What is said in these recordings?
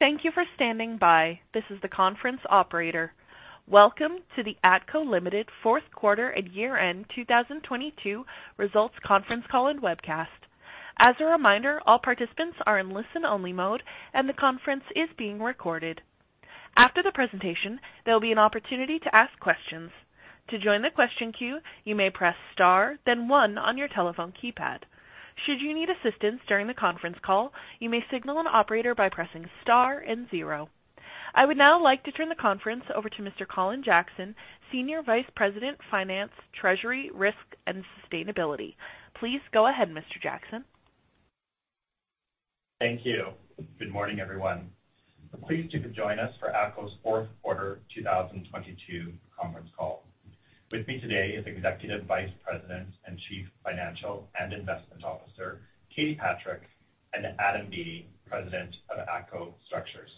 Thank you for standing by. This is the conference operator. Welcome to the ATCO Limited fourth quarter and year-end 2022 results conference call and webcast. As a reminder, all participants are in listen-only mode, and the conference is being recorded. After the presentation, there'll be an opportunity to ask questions. To join the question queue, you may press star then one on your telephone keypad. Should you need assistance during the conference call, you may signal an operator by pressing star and zero. I would now like to turn the conference over to Mr. Colin Jackson, Senior Vice President, Finance, Treasury, Risk and Sustainability. Please go ahead, Mr. Jackson. Thank you. Good morning, everyone. Pleased you could join us for ATCO's fourth quarter 2022 conference call. With me today is Executive Vice President and Chief Financial and Investment Officer, Katie Patrick, and Adam Beattie, President of ATCO Structures.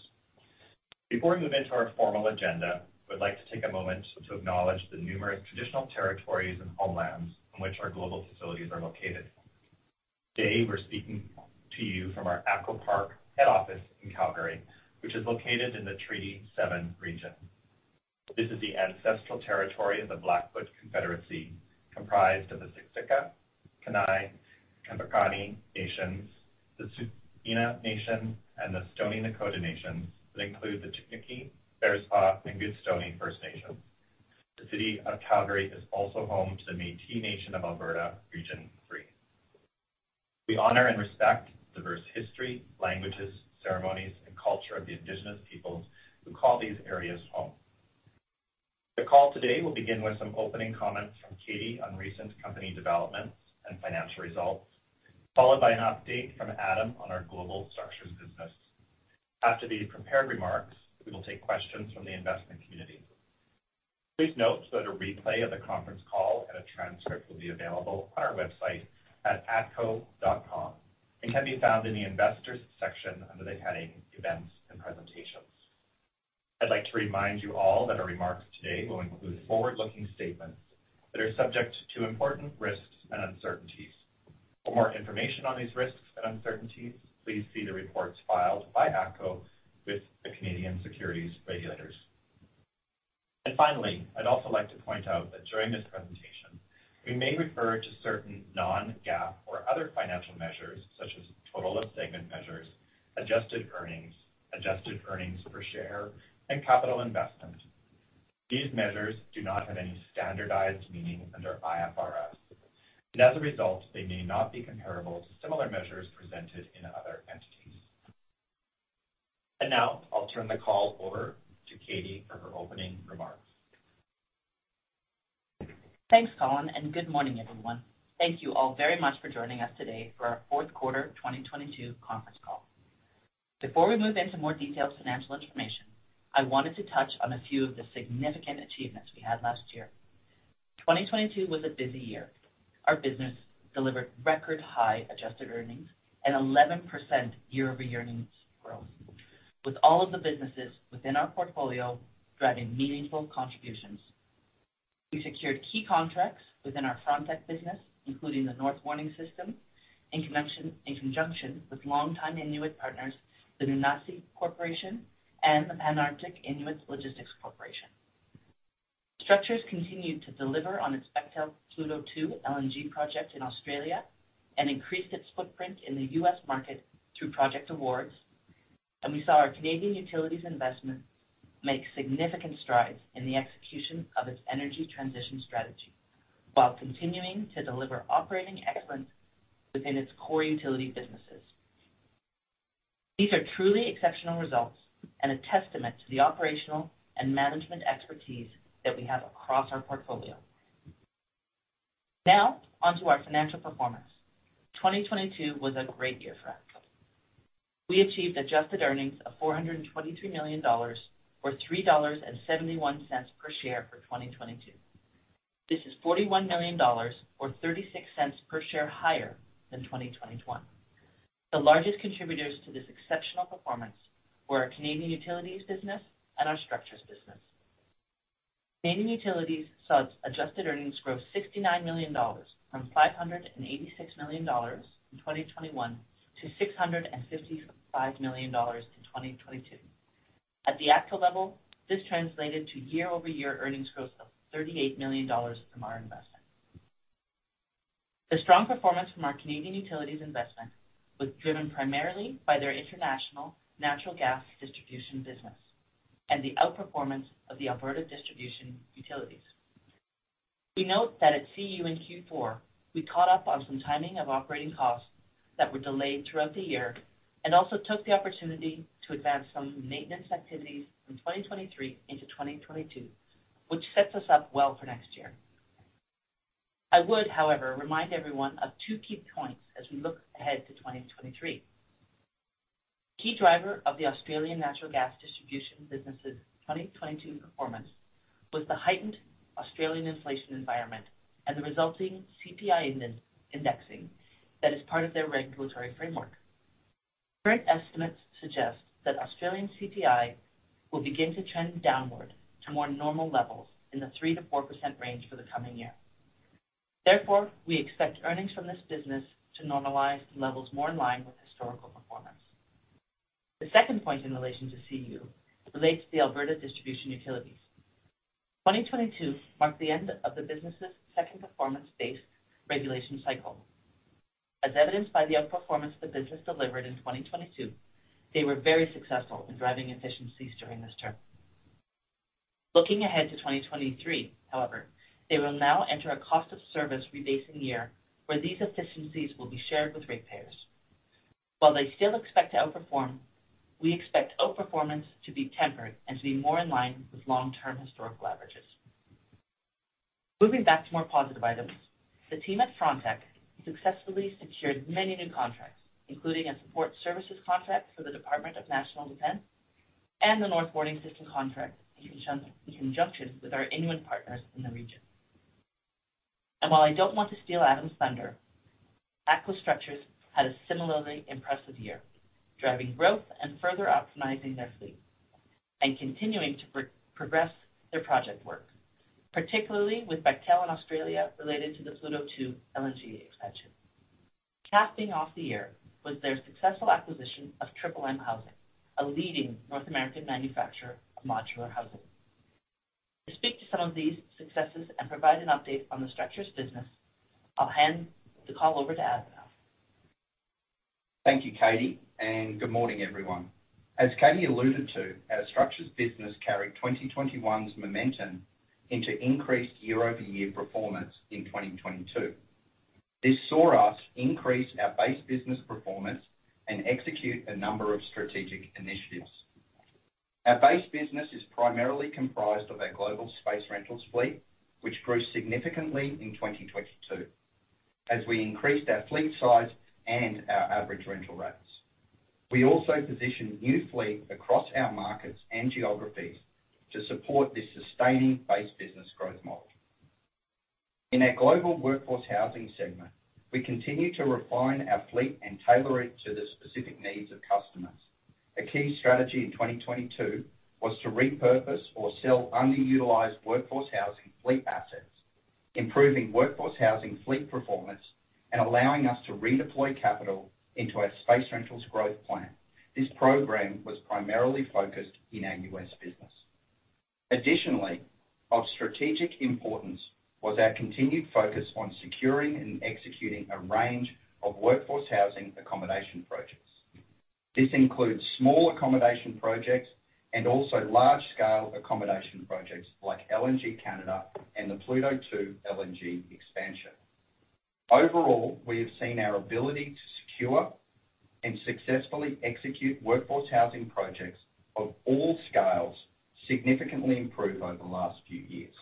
Before we move into our formal agenda, we'd like to take a moment to acknowledge the numerous traditional territories and homelands in which our global facilities are located. Today, we're speaking to you from our ATCO Park head office in Calgary, which is located in the Treaty 7 region. This is the ancestral territory of the Blackfoot Confederacy, comprised of the Siksika, Kainai, Piikani Nations, the Tsuut'ina Nation, and the Stoney Nakoda Nations that include the Chiniki, Bearspaw, and Goodstoney First Nations. The City of Calgary is also home to the Métis Nation of Alberta Region 3. We honor and respect diverse history, languages, ceremonies, and culture of the Indigenous peoples who call these areas home. The call today will begin with some opening comments from Katie on recent company developments and financial results, followed by an update from Adam on our global structures business. After the prepared remarks, we will take questions from the investment community. Please note that a replay of the conference call and a transcript will be available on our website at atco.com and can be found in the investors section under the heading Events and Presentations. I'd like to remind you all that our remarks today will include forward-looking statements that are subject to important risks and uncertainties. For more information on these risks and uncertainties, please see the reports filed by ATCO with the Canadian securities regulators. Finally, I'd also like to point out that during this presentation, we may refer to certain non-GAAP or other financial measures, such as total of segment measures, adjusted earnings, adjusted earnings per share, and capital investment. These measures do not have any standardized meaning under IFRS, and as a result, they may not be comparable to similar measures presented in other entities. Now I'll turn the call over to Katie for her opening remarks. Thanks, Colin. Good morning, everyone. Thank you all very much for joining us today for our fourth quarter 2022 conference call. Before we move into more detailed financial information, I wanted to touch on a few of the significant achievements we had last year. 2022 was a busy year. Our business delivered record-high adjusted earnings and 11% year-over-year earnings growth, with all of the businesses within our portfolio driving meaningful contributions. We secured key contracts within our Frontec business, including the North Warning System, in conjunction with longtime Inuit partners, the Nunasi Corporation and the Pan Arctic Inuit Logistics Corporation. Structures continued to deliver on its Bechtel Pluto II LNG project in Australia and increased its footprint in the U.S. market through project awards. We saw our Canadian Utilities investment make significant strides in the execution of its energy transition strategy while continuing to deliver operating excellence within its core utility businesses. These are truly exceptional results and a testament to the operational and management expertise that we have across our portfolio. On to our financial performance. 2022 was a great year for ATCO. We achieved adjusted earnings of 423 million dollars or 3.71 dollars per share for 2022. This is 41 million dollars or 0.36 per share higher than 2021. The largest contributors to this exceptional performance were our Canadian Utilities business and our Structures business. Canadian Utilities saw its adjusted earnings grow 69 million dollars from 586 million dollars in 2021 to 655 million dollars in 2022. At the ATCO level, this translated to year-over-year earnings growth of 38 million dollars from our investment. The strong performance from our Canadian Utilities investment was driven primarily by their international natural gas distribution business and the outperformance of the Alberta distribution utilities. We note that at CU in Q4, we caught up on some timing of operating costs that were delayed throughout the year and also took the opportunity to advance some maintenance activities from 2023 into 2022, which sets us up well for next year. I would, however, remind everyone of two key points as we look ahead to 2023. Key driver of the Australian natural gas distribution business's 2022 performance was the heightened Australian inflation environment and the resulting CPI index-indexing that is part of their regulatory framework. Current estimates suggest that Australian CPI will begin to trend downward to more normal levels in the 3%-4% range for the coming year. We expect earnings from this business to normalize to levels more in line with historical performance. The second point in relation to CU relates to the Alberta distribution utilities. 2022 marked the end of the business' second performance-based regulation cycle. As evidenced by the outperformance the business delivered in 2022, they were very successful in driving efficiencies during this term. Looking ahead to 2023, however, they will now enter a cost-of-service rebasing year where these efficiencies will be shared with ratepayers. While they still expect to outperform, we expect outperformance to be tempered and to be more in line with long-term historical averages. Moving back to more positive items, the team at Frontec successfully secured many new contracts, including a support services contract for the Department of National Defence and the North Warning System contract in conjunction with our Inuit partners in the region. While I don't want to steal Adam's thunder, ATCO Structures had a similarly impressive year, driving growth and further optimizing their fleet and continuing to progress their project work, particularly with Bechtel in Australia related to the Pluto II LNG expansion. Capping off the year was their successful acquisition of Triple M Housing, a leading North American manufacturer of modular housing. To speak to some of these successes and provide an update on the structures business, I'll hand the call over to Adam now. Thank you, Katie. Good morning, everyone. As Katie alluded to, our structures business carried 2021's momentum into increased year-over-year performance in 2022. This saw us increase our base business performance and execute a number of strategic initiatives. Our base business is primarily comprised of our global space rentals fleet, which grew significantly in 2022 as we increased our fleet size and our average rental rates. We also positioned new fleet across our markets and geographies to support this sustaining base business growth model. In our Global Workforce Housing segment, we continue to refine our fleet and tailor it to the specific needs of customers. A key strategy in 2022 was to repurpose or sell underutilized workforce housing fleet assets, improving workforce housing fleet performance and allowing us to redeploy capital into our space rentals growth plan. This program was primarily focused in our U.S. business. Additionally, of strategic importance was our continued focus on securing and executing a range of workforce housing accommodation projects. This includes small accommodation projects and also large-scale accommodation projects like LNG Canada and the Pluto II LNG expansion. Overall, we have seen our ability to secure and successfully execute workforce housing projects of all scales significantly improve over the last few years.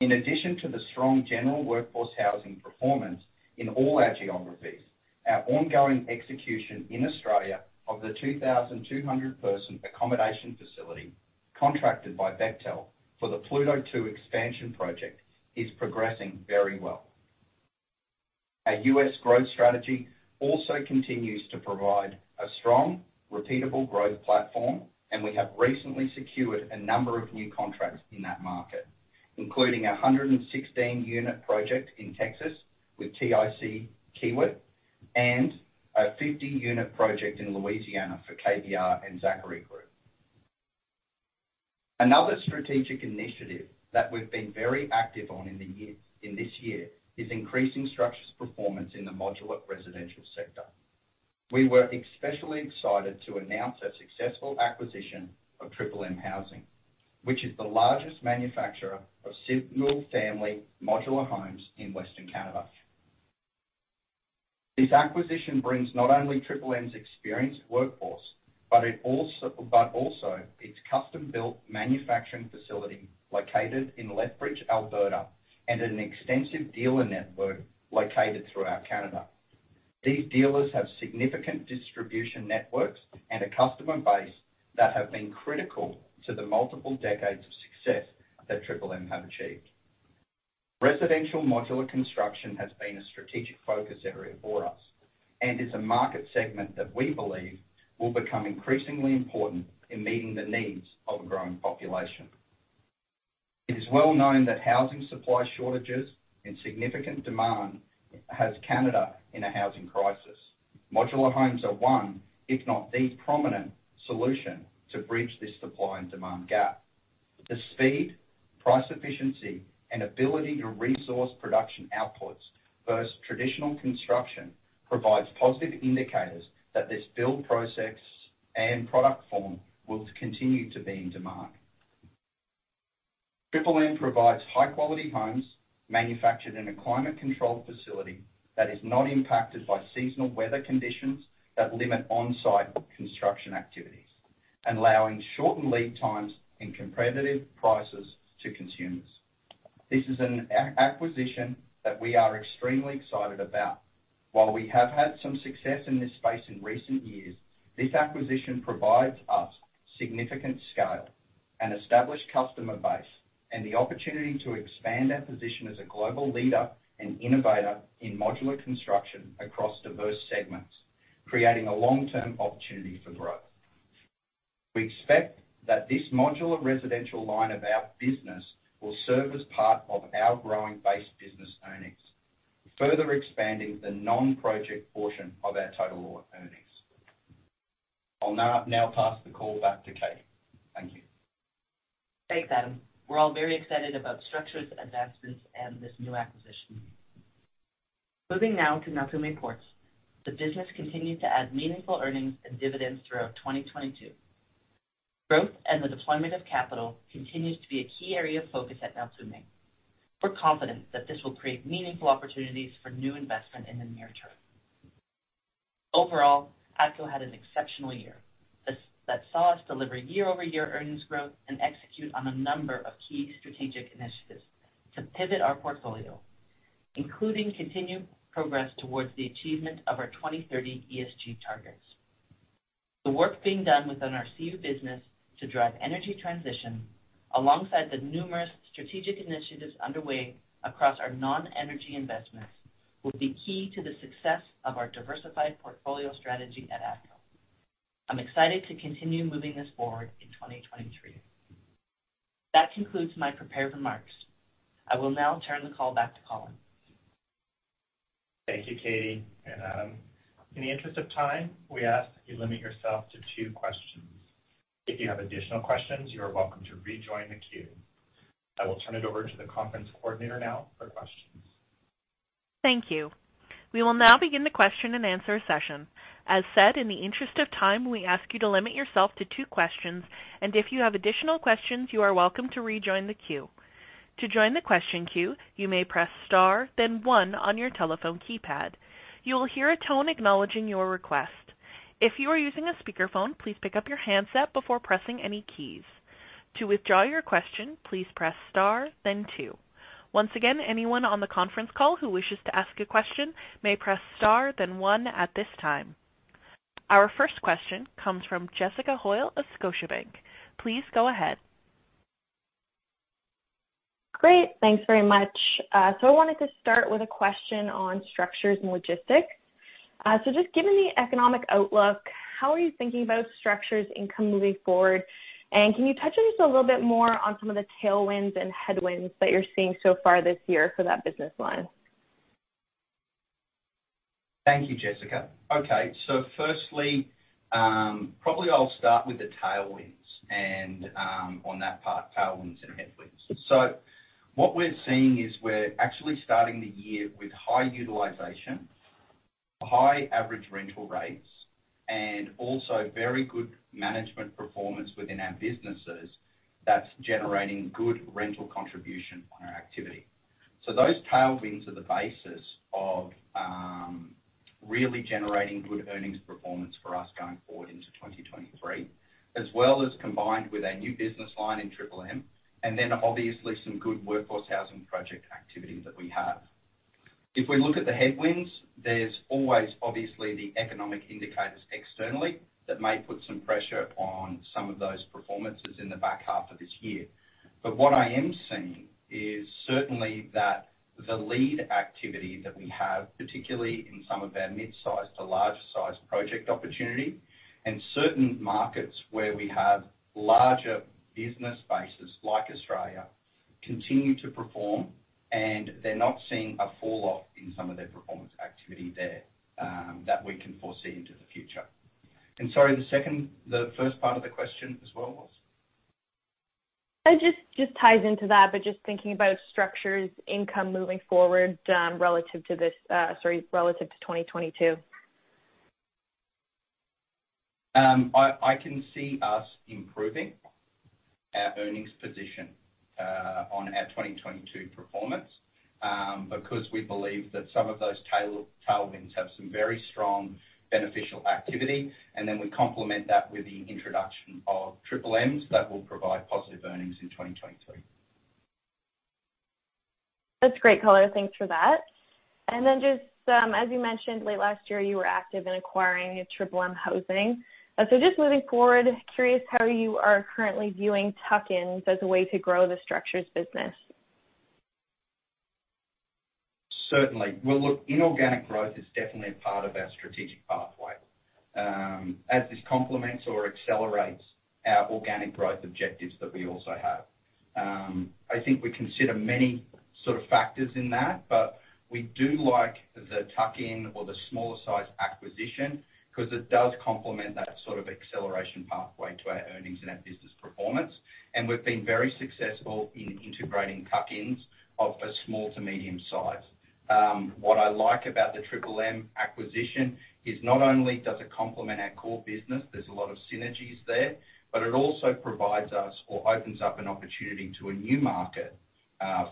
In addition to the strong general workforce housing performance in all our geographies, our ongoing execution in Australia of the 2,200 person accommodation facility contracted by Bechtel for the Pluto II expansion project is progressing very well. Our U.S. growth strategy also continues to provide a strong, repeatable growth platform, and we have recently secured a number of new contracts in that market, including our 116 unit project in Texas with TIC Kiewit and a 50-unit project in Louisiana for KBR and Zachary Group. Another strategic initiative that we've been very active on in this year is increasing Structures performance in the modular residential sector. We were especially excited to announce our successful acquisition of Triple M Housing, which is the largest manufacturer of single-family modular homes in Western Canada. This acquisition brings not only Triple M's experienced workforce, but also its custom-built manufacturing facility located in Lethbridge, Alberta, and an extensive dealer network located throughout Canada. These dealers have significant distribution networks and a customer base that have been critical to the multiple decades of success that Triple M have achieved. Residential modular construction has been a strategic focus area for us and is a market segment that we believe will become increasingly important in meeting the needs of a growing population. It is well known that housing supply shortages and significant demand has Canada in a housing crisis. Modular homes are one, if not the prominent solution to bridge this supply and demand gap. The speed, price, efficiency, and ability to resource production outputs versus traditional construction provides positive indicators that this build process and product form will continue to be in demand. Triple M provides high-quality homes manufactured in a climate-controlled facility that is not impacted by seasonal weather conditions that limit on-site construction activities and allowing shortened lead times and competitive prices to consumers. This is an acquisition that we are extremely excited about. While we have had some success in this space in recent years, this acquisition provides us significant scale, an established customer base, and the opportunity to expand our position as a global leader and innovator in modular construction across diverse segments, creating a long-term opportunity for growth. We expect that this modular residential line of our business will serve as part of our growing base business earnings, further expanding the non-project portion of our total earnings. I'll now pass the call back to Katie. Thank you. Thanks, Adam. We're all very excited about structures, advancements, and this new acquisition. Moving now to Neltume Ports. The business continued to add meaningful earnings and dividends throughout 2022. Growth and the deployment of capital continues to be a key area of focus at Neltume. We're confident that this will create meaningful opportunities for new investment in the near term. Overall, ATCO had an exceptional year that saw us deliver year-over-year earnings growth and execute on a number of key strategic initiatives to pivot our portfolio, including continued progress towards the achievement of our 2030 ESG targets. The work being done within our CU business to drive energy transition, alongside the numerous strategic initiatives underway across our non-energy investments, will be key to the success of our diversified portfolio strategy at ATCO. I'm excited to continue moving this forward in 2023. That concludes my prepared remarks. I will now turn the call back to Colin. Thank you, Katie and Adam. In the interest of time, we ask that you limit yourself to two questions. If you have additional questions, you are welcome to rejoin the queue. I will turn it over to the conference coordinator now for questions. Thank you. We will now begin the question and answer session. As said, in the interest of time, we ask you to limit yourself to two questions, and if you have additional questions, you are welcome to rejoin the queue. To join the question queue, you may press star then one on your telephone keypad. You will hear a tone acknowledging your request. If you are using a speakerphone, please pick up your handset before pressing any keys. To withdraw your question, please press star then two. Once again, anyone on the conference call who wishes to ask a question may press star then one at this time. Our first question comes from Jessica Hoyle of Scotiabank. Please go ahead. Great. Thanks very much. I wanted to start with a question on Structures and Logistics. Just given the economic outlook, how are you thinking about Structures income moving forward? Can you touch on just a little bit more on some of the tailwinds and headwinds that you're seeing so far this year for that business line? Thank you, Jessica. Okay. Firstly, probably I'll start with the tailwinds and, on that part, tailwinds and headwinds. What we're seeing is we're actually starting the year with high utilization, high average rental rates, and also very good management performance within our businesses that's generating good rental contribution on our activity. Those tailwinds are the basis of really generating good earnings performance for us going forward into 2023, as well as combined with our new business line in Triple M, and then obviously some good workforce housing project activity that we have. If we look at the headwinds, there's always obviously the economic indicators externally that may put some pressure on some of those performances in the back half of this year. What I am seeing is certainly that the lead activity that we have, particularly in some of our mid-sized to large-sized project opportunity, and certain markets where we have larger business bases like Australia, continue to perform, and they're not seeing a fall off in some of their performance activity there that we can foresee into the future. Sorry, the first part of the question as well was? It just ties into that, just thinking about Structures income moving forward, relative to this, sorry, relative to 2022. I can see us improving our earnings position, on our 2022 performance, because we believe that some of those tailwinds have some very strong beneficial activity. Then we complement that with the introduction of Triple M's. That will provide positive earnings in 2022. That's great, Colin. Thanks for that. Just, as you mentioned, late last year, you were active in acquiring Triple M Housing. Just moving forward, curious how you are currently viewing tuck-ins as a way to grow the structures business. Certainly. Well, look, inorganic growth is definitely a part of our strategic pathway, as this complements or accelerates our organic growth objectives that we also have. I think we consider many sort of factors in that, but we do like the tuck-in or the smaller-sized acquisition because it does complement that sort of acceleration pathway to our earnings and our business performance. We've been very successful in integrating tuck-ins of a small to medium size. What I like about the Triple M acquisition is not only does it complement our core business, there's a lot of synergies there, but it also provides us or opens up an opportunity to a new market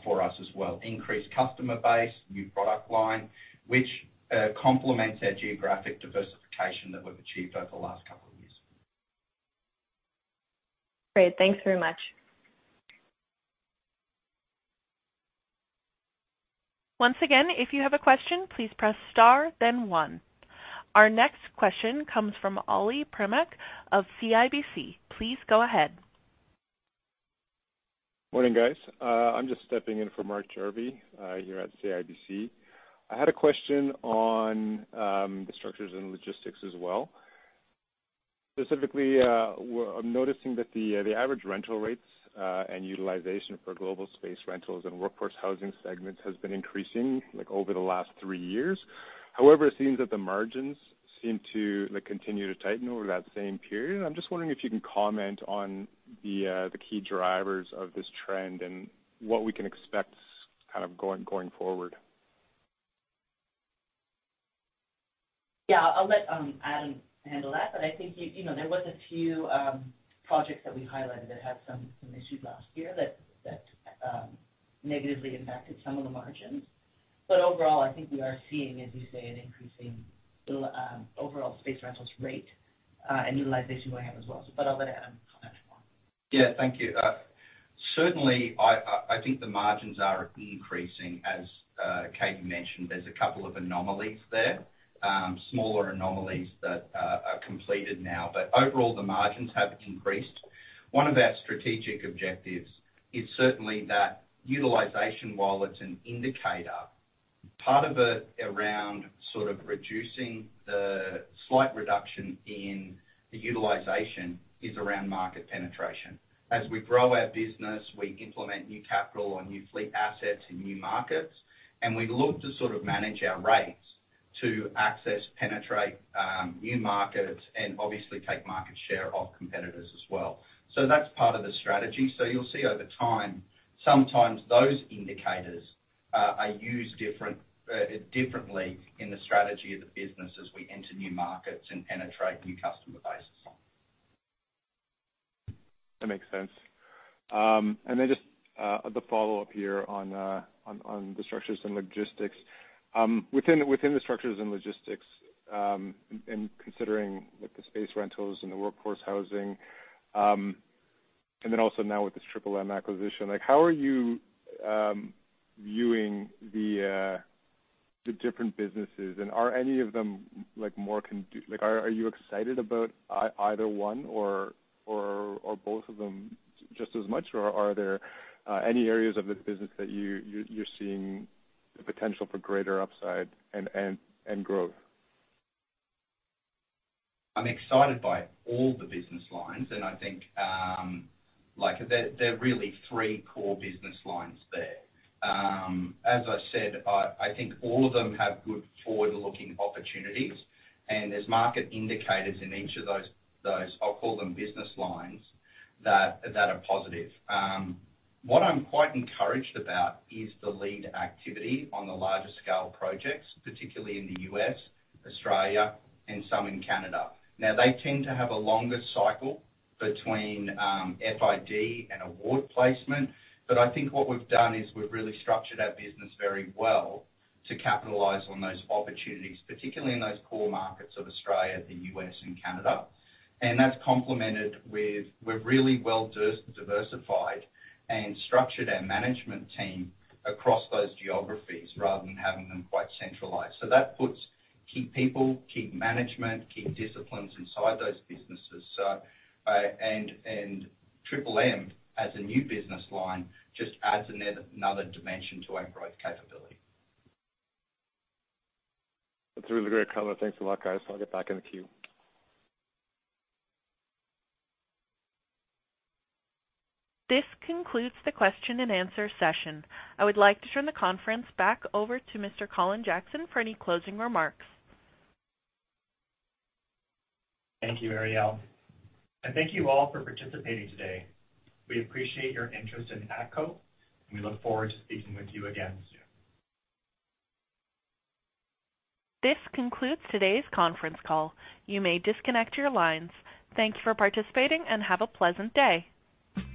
for us as well. Increased customer base, new product line, which complements our geographic diversification that we've achieved over the last couple of years. Great. Thanks very much. Once again, if you have a question, please press star then one. Our next question comes from Ollie Primak of CIBC. Please go ahead. Morning, guys. I'm just stepping in for Mark Jarvi here at CIBC. I had a question on the Structures and Logistics as well. Specifically, I'm noticing that the average rental rates and utilization for Global Space Rentals and Workforce Housing segments has been increasing, like, over the last three years. However, it seems that the margins seem to, like, continue to tighten over that same period. I'm just wondering if you can comment on the key drivers of this trend and what we can expect kind of going forward. Yeah, I'll let Adam handle that. I think, you know, there was a few projects that we highlighted that had some issues last year that negatively impacted some of the margins. Overall, I think we are seeing, as you say, an increasing overall space rentals rate and utilization going up as well. I'll let Adam comment more. Yeah. Thank you. Certainly I think the margins are increasing. As Katie mentioned, there's a couple of anomalies there, smaller anomalies that are completed now, but overall, the margins have increased. One of our strategic objectives is certainly that utilization, while it's an indicator, part of it around sort of reducing the slight reduction in the utilization is around market penetration. As we grow our business, we implement new capital or new fleet assets in new markets, and we look to sort of manage our rates to access, penetrate new markets and obviously take market share of competitors as well. That's part of the strategy. You'll see over time, sometimes those indicators are used different, differently in the strategy of the business as we enter new markets and penetrate new customer bases. That makes sense. Then just the follow-up here on the Structures and Logistics. Within the Structures and Logistics, and considering Space Rentals and Workforce Housing, and then also now with this Triple M acquisition, how are you viewing the different businesses? Are any of them, are you excited about either one or both of them just as much? Or are there any areas of this business that you're seeing the potential for greater upside and growth? I'm excited by all the business lines, I think, like, there are really three core business lines there. As I said, I think all of them have good forward-looking opportunities, there's market indicators in each of those, I'll call them business lines that are positive. What I'm quite encouraged about is the lead activity on the larger scale projects, particularly in the U.S., Australia, and some in Canada. They tend to have a longer cycle between FID and award placement, I think what we've done is we've really structured our business very well to capitalize on those opportunities, particularly in those core markets of Australia, the U.S., and Canada. That's complemented with we're really well diversified and structured our management team across those geographies rather than having them quite centralized. That puts key people, key management, key disciplines inside those businesses. Triple M as a new business line just adds another dimension to our growth capability. That's a really great color. Thanks a lot, guys. I'll get back in the queue. This concludes the question and answer session. I would like to turn the conference back over to Mr. Colin Jackson for any closing remarks. Thank you, Ariel. Thank you all for participating today. We appreciate your interest in ATCO, and we look forward to speaking with you again soon. This concludes today's conference call. You may disconnect your lines. Thank you for participating, and have a pleasant day.